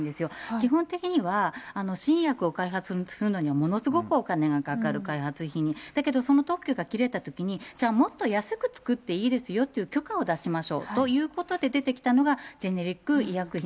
基本的には、新薬を開発するのにはものすごくお金がかかる、開発費に、だけどその特許が切れたときに、じゃあもっと安く作っていいですよという許可を出しましょうということで出てきたのがジェネリック医薬品。